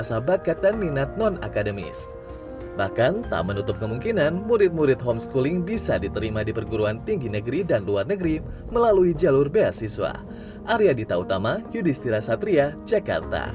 saya baru baca kalau nggak salah dokumen paling